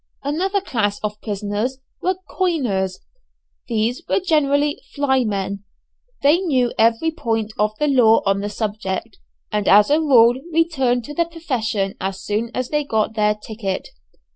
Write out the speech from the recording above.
Another class of prisoners were "coiners." These were generally "fly men." They knew every point of the law on the subject, and as a rule returned to their profession as soon as they got their "ticket."